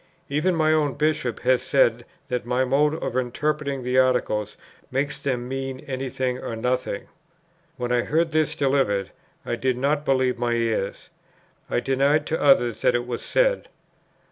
"Even my own Bishop has said that my mode of interpreting the Articles makes them mean any thing or nothing. When I heard this delivered, I did not believe my ears. I denied to others that it was said....